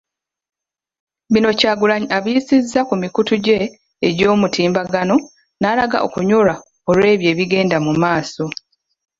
Bino Kyagulanyi abiyisizza ku mikutu gye egy'omutimbagano n'alaga okunyolwa olw'ebyo ebigenda mu maaso.